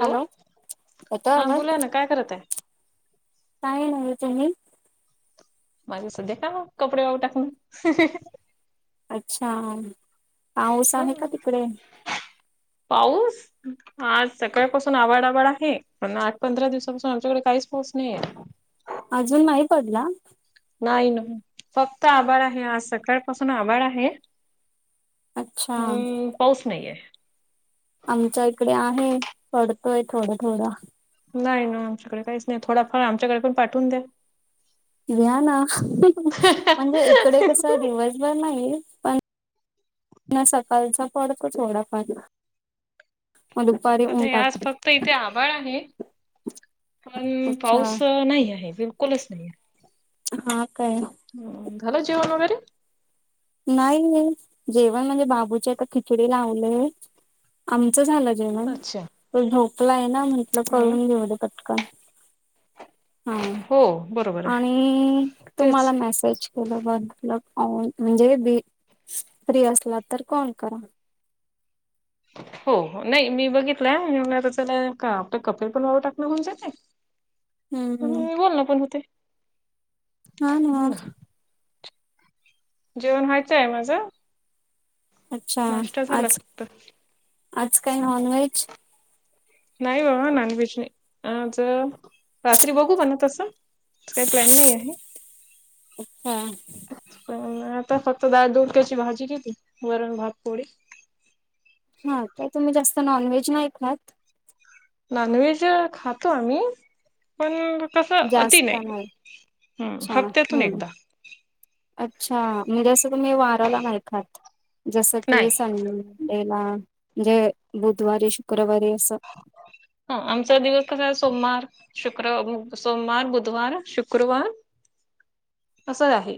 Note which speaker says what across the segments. Speaker 1: Hello होता
Speaker 2: हा
Speaker 1: आमज
Speaker 2: बोला ना काय करत आहे
Speaker 1: काय होच म
Speaker 2: माझे सध्या का कपडे वाव टाकणं
Speaker 1: अच्छा पाऊस आहे का
Speaker 2: ह
Speaker 1: तिकडे
Speaker 2: पाऊस आज सकाळपासून आवड आवाड आहे प आठ पंधरा दिवसापासून आमच्याकडे काहीच पोच नाहीे
Speaker 1: अजून माही पडला
Speaker 2: नाही ना फक्त आभार आहे आज सकाळ पाासून आभार आहे
Speaker 1: अच्छा
Speaker 2: हम् पाऊस नाहीे
Speaker 1: आमच्या इकडे आहे पडतोय थोडं थोडं
Speaker 2: नाही ना आमच्याकडे काहीच नाही थोडाफार आमच्याकडे पण पाठवून द्या
Speaker 1: व्या ना म्हणजे इकडे कस दिवस बर नाही पण सकाळचा पडतो थोडाफणी
Speaker 2: आता आज
Speaker 1: टाकत
Speaker 2: फक्त इथे आभाळ आहे पण
Speaker 1: अच्छा
Speaker 2: पाऊस नाही आहे बिलकुलच नाही आहे
Speaker 1: हा काय
Speaker 2: हो झालं जेव मगरी
Speaker 1: नाही जेवण म्हणजे बाबूच्या ए खिचडी लावलेय आम झा जेण
Speaker 2: अच्छा
Speaker 1: तो झोकला आहे ना म्हंटलं करून घेऊ कटक हा
Speaker 2: हो बरोबर आहे
Speaker 1: आणि
Speaker 2: तेच
Speaker 1: तुम्हाला मेसेज केलं बटल म्हणजे बी फ्री असला तर कोण करा
Speaker 2: हो नाही मी बघितलं आणि त्याला आपलं कपेल पण वाव टाकणं म्हऊन जाते
Speaker 1: [unintelligible] हम्म
Speaker 2: मी बोल ना पण होते
Speaker 1: हा ना
Speaker 2: जेवण व्हायचं आहे. माझं
Speaker 1: अच्छा
Speaker 2: नाश्ता झाला
Speaker 1: आज
Speaker 2: फक्त
Speaker 1: आज काय नॉन व्हेज
Speaker 2: नाही बा नॉनव्हेज नाही. आज रात्री बघू बण तसं काही प्लॅन नाही आहे.
Speaker 1: हा
Speaker 2: आता फक्त ाळ दूध त्याची भाजी घेतती गरम भात पोळी
Speaker 1: हा ते तुम्ही जास्त नॉनव्हेज नाही खात
Speaker 2: नॉनव्हेज खातो आम्ही पण कस अति नाही ह
Speaker 1: अच्छा
Speaker 2: हप्त्यातून
Speaker 1: हम्म
Speaker 2: एकदा
Speaker 1: अच्छा म्हणजे जसं तुम्ही वाराला नाहीखात जसं
Speaker 2: नाही
Speaker 1: की संडी ला म्हणजे बुधवारी शुक्रवारी असं
Speaker 2: हा आमचा दिवस कसा आहे सोमवार शुक्र सोमवार बुधवार शुक्रवार असं आहे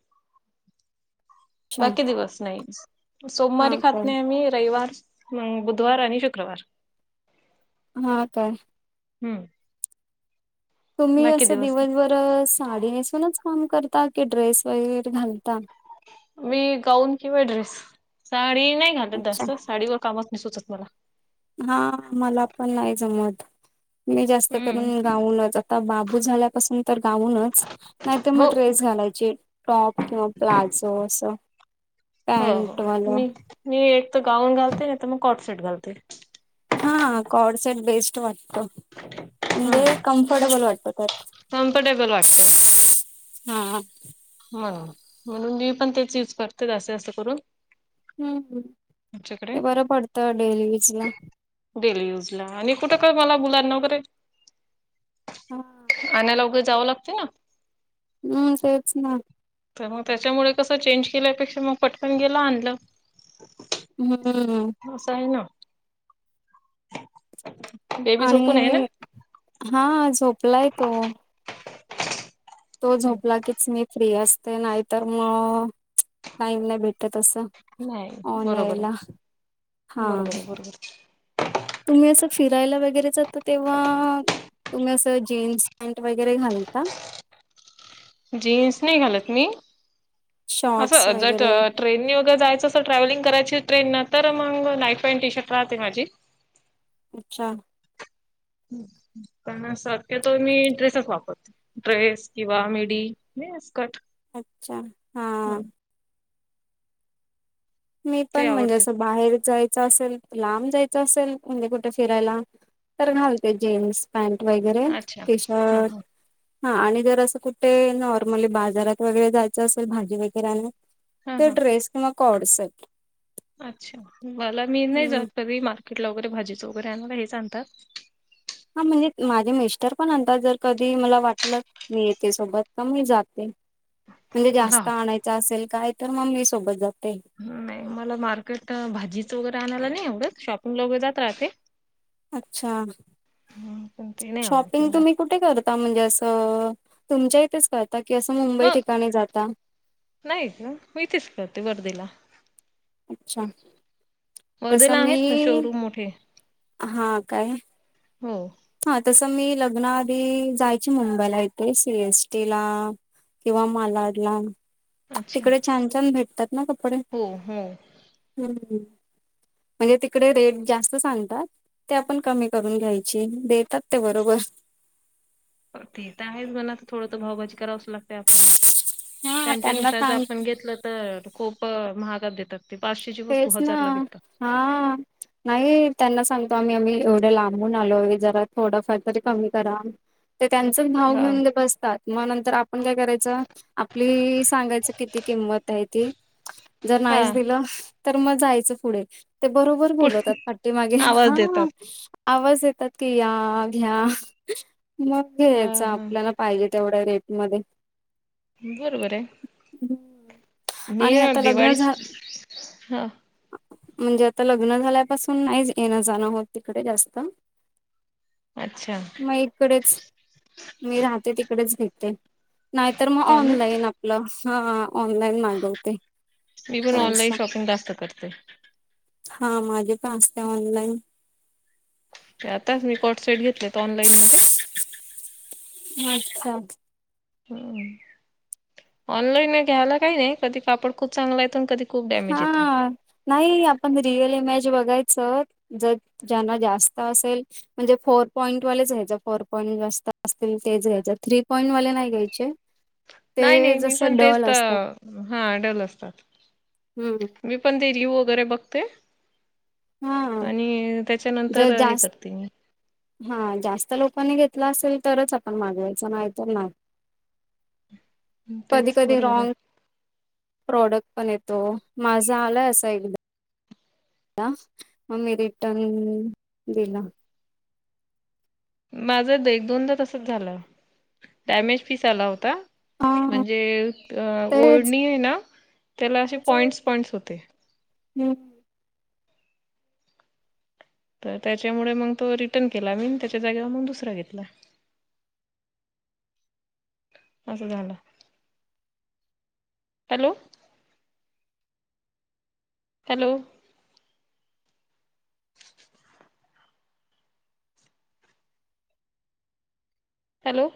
Speaker 1: अच्छा
Speaker 2: बाकी दिवस नाही
Speaker 1: हा
Speaker 2: सोमवारी खात
Speaker 1: काय
Speaker 2: नाही. आम्ही रविवार मग बुधवार आणि शुक्रवार
Speaker 1: हा काय
Speaker 2: हं
Speaker 1: तुम्ही असं
Speaker 2: दिवस
Speaker 1: दिवसभर साडी नेसूनच काम करता. की ड्रेस वगैरे घालता
Speaker 2: मी गाऊन किंवा ड्रेस साडी नाही घालत.
Speaker 1: अच्छा
Speaker 2: जास्त साडीवर कामच नाही सुचत मला
Speaker 1: हा मला पण नाही. जमत मी जास्त
Speaker 2: हम्म
Speaker 1: करून गाऊनच आता बाबू झाल्यापासून तर गाऊनच नाही तर
Speaker 2: हो
Speaker 1: मग ड्रेस घालायची टॉप किंवा प्लाझो असं
Speaker 2: हो हो
Speaker 1: पॅंट वालं
Speaker 2: मी मी एक तर गाऊन घालते नाही तर मग कोर्टशट घालते
Speaker 1: हा कॉड सेट बेस्ट वाटतो.
Speaker 2: हम्म
Speaker 1: म्हणजे कम्फर्टेबल वाटतो त्यात
Speaker 2: कम्फर्टेबल वाटतं
Speaker 1: हा
Speaker 2: म्हणून म्हणून मी पण तेच यूज करते असे असं करून
Speaker 1: हम्म
Speaker 2: आमच्याकडे
Speaker 1: ते बरं पडतं डेरी वज ला
Speaker 2: डेली यूज ला आणि कुठं काय मला बुलाण वगैरे
Speaker 1: हा.
Speaker 2: आणायला उघं जावं लागते ना?
Speaker 1: हम् सच ना
Speaker 2: तर मग त्याच्यामुळे कसं चेंज केल्यापेक्षा मग पटकन गेलं आणलं
Speaker 1: हम्म
Speaker 2: होस आहे ना बेबी झोपून आहे ना?
Speaker 1: आणि हा झोपलाय तो तो झोपला कीच मी फ्री असते नाहीतर. म टाईम नाही भेट तस
Speaker 2: नाही
Speaker 1: ऑन
Speaker 2: बरोबर
Speaker 1: यायला
Speaker 2: आहे
Speaker 1: हा
Speaker 2: बरोबर आहे बरोबर
Speaker 1: तुम्ही असं फिरायला वगैरे जातं. तेव्हा तुम्ही असं जीन्स पॅनट वगैरे घालता.
Speaker 2: जीन्स नाही घालत. मी
Speaker 1: शॉर्ट्स
Speaker 2: असं ज
Speaker 1: वगैरे
Speaker 2: ट्रेननी वगैर जायचं असं ट्रॅव्हलिंग करायची ट्रेनं तर मग नाईफ पॅन्ट टी शर्ट राहते. माझी
Speaker 1: अच्छा
Speaker 2: हम् पण सत्यतो मी ड्रेसेस वापरतो. ड्रेस किंवा मी नाहीसकट
Speaker 1: अच्छा हा मी
Speaker 2: ते
Speaker 1: पण म्हणजे
Speaker 2: आवडते
Speaker 1: असं बाहेर जायचं असेल लांब जायचं असेल म्हणजे कुठे फिरायला तर घालते जीन्स पॅन्ट वगैरे,
Speaker 2: अच्छा.
Speaker 1: टी
Speaker 2: हा
Speaker 1: शर्ट-
Speaker 2: हा
Speaker 1: हां आणि जर असं कुठे, नॉर्मली बाजारात वगैरे जायचं असेल भाजी वगैरे आणा
Speaker 2: हा
Speaker 1: ते
Speaker 2: हा
Speaker 1: ड्रेस किंवा कोडसेट
Speaker 2: अच्छा, मला मी नाही
Speaker 1: हम्म.
Speaker 2: जात कधी मार्केटला वगैरे भाजीचं वगैरे आणायला हेच आणतात.
Speaker 1: हां म्हणजे माझे मिस्टर पण आणतात, जर कधी मला वाटलं- मी येेते सोबत, तर मी जाते. म्हणजे
Speaker 2: मला
Speaker 1: जास्त आणायच असेल काय, तर मम्मी सोबत जाते.
Speaker 2: नाही, मला मार्केट भाजीचं वगैरे आणायला नाही आवडत शॉपिंगला वगैरे जात राहते.
Speaker 1: अच्छा...
Speaker 2: हं पण ते नाही आवडत
Speaker 1: शॉपिंग
Speaker 2: मला.
Speaker 1: तुम्ही कुठे करता म्हणजे असं तुमच्या इथेच करता की असं मुंबई
Speaker 2: ह
Speaker 1: ठिकाणी जाता?
Speaker 2: नाही मी इथेच करते वर्दीला.
Speaker 1: अच्छा! तसं
Speaker 2: वर्धेला
Speaker 1: मी
Speaker 2: आहेत ना शोरूम मोठे. हो.
Speaker 1: हां तसं मी लग्ना आधी, जायची मुंबईला इथे सीएसटी ला- किंवा मालाडला,
Speaker 2: अच्छा
Speaker 1: तिकडे छान-छान भेटतात ना कपडे.
Speaker 2: हो हो
Speaker 1: हं.. म्हणजे तिकडे रेट जास्त सांगतात, ते आपण कमी करून घ्यायचे. देतात ते बरोबर.
Speaker 2: ते तर आहेच म्हणा, थोडं तर भावभजी करावंच लागत आपल्याला,
Speaker 1: हा त्यांना
Speaker 2: त्यांच्यानुसार जर
Speaker 1: सांग
Speaker 2: आपण घेतलं तर, खूप महागात देतात. ते पाचशेची वस्तू
Speaker 1: तेचना
Speaker 2: हजारला विकतात
Speaker 1: हां नाही, त्यांना सांगतो आम्ही-आम्ही एवढे लांबून आलोय जरा थोडाफार तरी कमी करा. ते त्यांच भाव
Speaker 2: हा
Speaker 1: घेऊन ते बसतात, मग नंतर आपण काय करायचं. आपली सांगायच किती किंमत आहे ती, जर
Speaker 2: हा
Speaker 1: नाहीच दिलं. तर मग जायचं पुढे, ते बरोबर
Speaker 2: पु
Speaker 1: बोलवतात पाटी मागे
Speaker 2: आवाज
Speaker 1: हां.
Speaker 2: देतात
Speaker 1: आवाज देतात की या, घ्या, मग
Speaker 2: ह
Speaker 1: घ्यायच
Speaker 2: हा
Speaker 1: आपल्याला- पाहिजे तेवढ्या रेटमध्ये
Speaker 2: बरोबर आहे, मी
Speaker 1: आणि
Speaker 2: हं
Speaker 1: आता लग्न
Speaker 2: दिवाळी
Speaker 1: झा
Speaker 2: हा
Speaker 1: म्हणजे आता लग्न झाल्यापासून नाही, येणं-जाणं होत तिकडे जास्त.
Speaker 2: अच्छा!
Speaker 1: मग इकडेच मी राहते तिकडेच घेते, नाहीतर मग
Speaker 2: हो ना
Speaker 1: ऑनलाईन आप- हां हां ऑनलाईन माग-
Speaker 2: मी पण ऑनलाईन शॉपिंग जास्त करते.
Speaker 1: हा माझे पण असते ऑनलाईन,
Speaker 2: आताच मी कॉडसेेट घेतलेत ऑनलाईन मध्ये.
Speaker 1: अच्छा...
Speaker 2: हं ऑनलाईन घ्यायला काही नाही, कधी कापड खूप चांगला येतो न कधी खूप डॅमेज येतो
Speaker 1: हां.. नाही आपण रिअल इमेज बघायचं, जर ज्यांना जास्त असेल- म्हणजे फोर पॉईंट वालेच घ्यायचं, फोर पॉईंट जास्त असतील तेच घ्यायच थ्री पॉईंट वाले नाही घ्यायचे. ते जसं डल असतात.
Speaker 2: हां डल असतात.
Speaker 1: हं.
Speaker 2: मी पण ते रिव्ह वगैरे बघते.
Speaker 1: हा
Speaker 2: आणि त्याच्यानंतर हे करते मी.
Speaker 1: हां जास्त लोकांनी घेतला असेल तरच आपण मागवायचं नाही तर नाही. कधी
Speaker 2: तेच
Speaker 1: कधी
Speaker 2: बरोबर
Speaker 1: रॉंग
Speaker 2: आहे
Speaker 1: प्रॉडक्ट पण येतो, माझा आलाय असा एकदा ममी रिटर्न दिला.
Speaker 2: माझं एक दोनदा तसच झालं डॅमेज पीस आला होता.
Speaker 1: हा
Speaker 2: म्हणजे
Speaker 1: तेच
Speaker 2: ओढणी आहे ना त्याला असे पॉइंट्स पॉइंट्स होते.
Speaker 1: हम्.
Speaker 2: तर त्याच्यामुळे मग तो रिटर्न केला मी त्याच्या जागेवर मग दुसरा घेतला. असं झालं. Hello hello hello